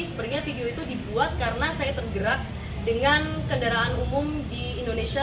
sepertinya video itu dibuat karena saya tergerak dengan kendaraan umum di indonesia